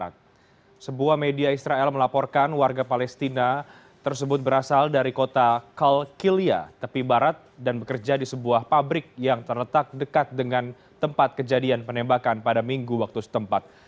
tersebut berasal dari kota kalkilia tepi barat dan bekerja di sebuah pabrik yang terletak dekat dengan tempat kejadian penembakan pada minggu waktu setempat